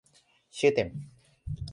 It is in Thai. ชื่อเต็ม